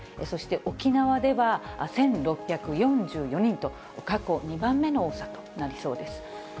そして、沖縄では１６４４人と、過去２番目の多さとなりそうです。